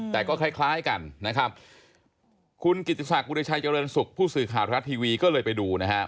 แต่ก็คล้ายคล้ายกันนะครับคุณกิติศักดิชัยเจริญสุขผู้สื่อข่าวทรัฐทีวีก็เลยไปดูนะฮะ